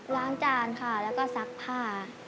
ล้างจานค่ะแล้วก็ซักผ้า